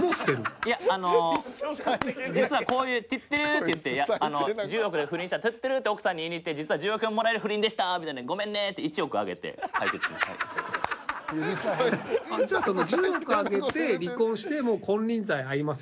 いや、あの実はこういうテッテレーって言って１０億で不倫したらテッテレーって奥さんに言いにいって実は１０億円もらえる不倫でした！みたいなごめんねーって１億あげて解決します。